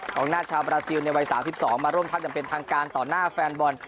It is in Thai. ของหน้าชาวบราซิลในวัยสามสิบสองมาร่วมทักจังเป็นทางการต่อหน้าแฟนบอล